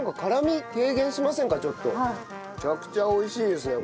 めちゃくちゃ美味しいですね